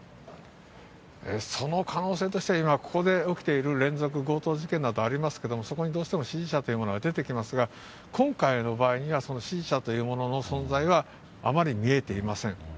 その可能性としては、今ここで起きている連続強盗事件などありますけども、そこにどうしても指示者という者が出てきますが、今回の場合には、その指示者というものの存在はあまり見えていません。